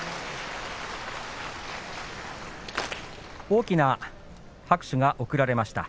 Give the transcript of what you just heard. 大きな拍手が送られました。